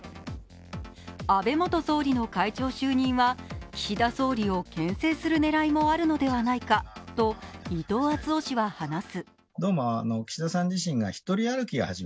安倍元総理の会長就任は岸田総理をけん制する狙いもあるのではと伊藤惇夫氏は話す。